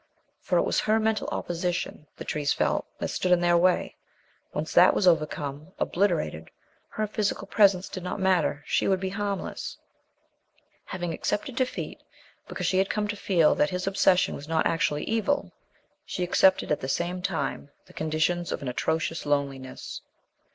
For it was her mental opposition, the trees felt, that stood in their way. Once that was overcome, obliterated, her physical presence did not matter. She would be harmless. Having accepted defeat, because she had come to feel that his obsession was not actually evil, she accepted at the same time the conditions of an atrocious loneliness.